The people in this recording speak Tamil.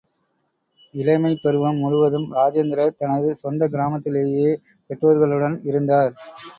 இளமைப் பருவம் முழுவதும் இராஜேந்திரர் தனது சொந்தக் கிராமத்திலேயே பெற்றோர்களுடன் இருந்தார்.